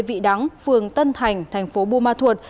vị đắng phường tân thành tp bumathua